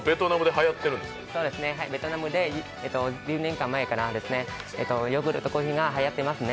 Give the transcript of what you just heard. はい、ベトナムで１０年ぐらい前からヨーグルトコーヒーがはやってますね。